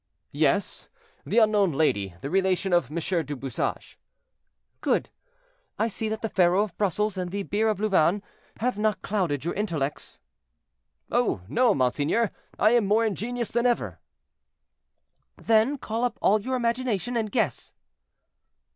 "Yes! the unknown lady—the relation of M. du Bouchage." "Good; I see that the faro of Brussels and the beer of Louvain have not clouded your intellects." "Oh! no, monseigneur, I am more ingenious than ever." "Then call up all your imagination, and guess."